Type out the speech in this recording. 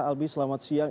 albi selamat siang